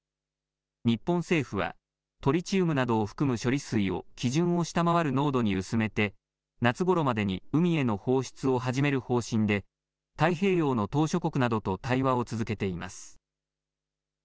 日本政府はトリチウムなどを含む処理水を基準を下回る濃度に薄めて、夏ごろまでに海への放出を始める方針で、太平洋の島しょ国などと対話を続けています。